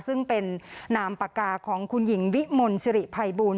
ซึ่งเป็นนามปากกาของคุณหญิงวิมลสิริภัยบูล